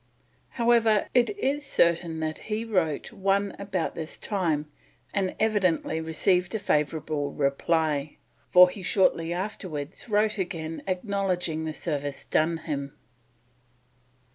However, it is certain that he wrote one about this time and evidently received a favourable reply, for he shortly afterwards wrote again acknowledging the service done him.